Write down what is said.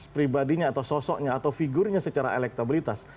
pribadinya atau sosoknya atau figurnya secara elektabilitas